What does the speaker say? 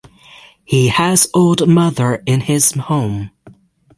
He has old mother in his home.